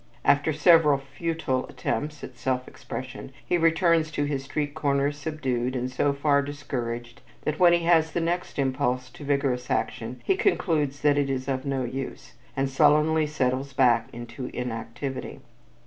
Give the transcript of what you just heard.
After several futile attempts at self expression, he returns to his street corner subdued and so far discouraged that when he has the next impulse to vigorous action he concludes that it is of no use, and sullenly settles back into inactivity.